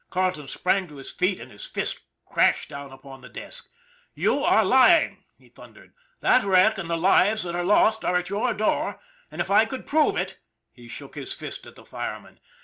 Carleton sprang to his feet, and his fist crashed down upon the desk. " You are lying! " he thundered. " That wreck and the lives that are lost are at your door, and if I could prove it !" he shook his fist at the fireman.